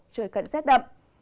trời cận rét đậm